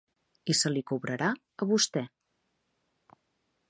I se li cobrarà a vostè.